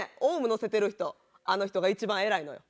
乗せてる人あの人が一番偉いのよ。